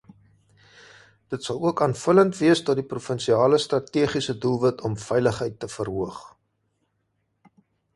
Dit sal ook aanvullend wees tot die provinsiale strategiese doelwit om veiligheid te verhoog.